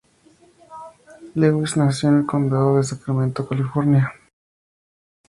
Lewis nació en el Condado de Sacramento, California.